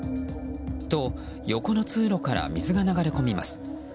と、横の通路から水が流れ込みます。